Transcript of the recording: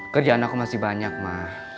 kerjaan aku masih banyak mah